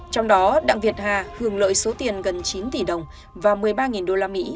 trong đó đặng việt hà hưởng lợi số tiền gần chín tỷ đồng và một mươi ba usd